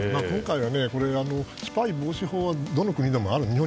今回はスパイ防止法はどの国でもある。